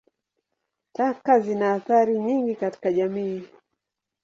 Taka zina athari nyingi katika jamii.